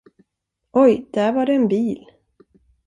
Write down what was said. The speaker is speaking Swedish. Oj, där var det en bil.